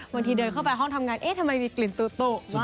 เดินเข้าไปห้องทำงานเอ๊ะทำไมมีกลิ่นตุ๊ะ